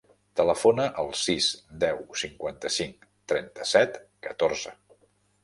Telefona al sis, deu, cinquanta-cinc, trenta-set, catorze.